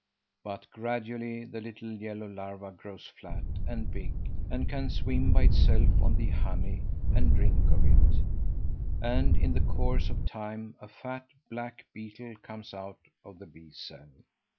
But gradually the little yellow larva grows flat and big and can swim by itself on the honey and drink of it, and in the course of time a fat, black beetle comes out of the bee cell.